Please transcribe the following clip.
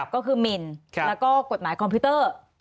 ก็คือหมินแล้วก็กฎหมายคอมพิวเตอร์